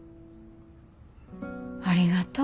ありがとう。